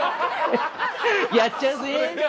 やっちゃうぜ！